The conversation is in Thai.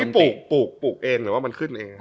ปลูกเองหรือขึ้นเอง